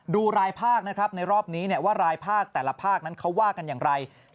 ดูรายภาคนะครับในรอบนี้ว่ารายภาคแต่ละภาคนั้นเขาว่ากันอย่างไร